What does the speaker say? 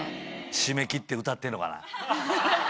閉めきって歌ってんのかな？